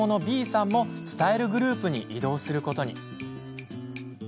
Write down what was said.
Ｂさんも伝えるグループに移動することに。